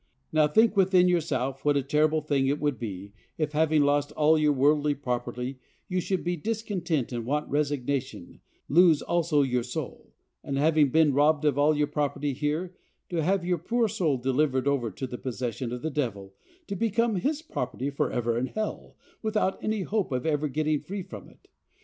Now, think within yourself what a terrible thing it would be, if, having lost all your worldly property, you should, by discontent and want of resignation, lose also your soul; and, having been robbed of all your property here, to have your poor soul delivered over to the possession of the devil, to become his property forever in hell, without any hope of ever getting free from it.